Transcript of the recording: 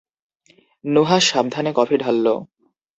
নুহাশ সাবধানে কফি ঢালল।